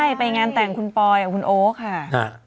ใช่ไปงานแต่งคุณปอยกับคุณโอ๊คค่ะ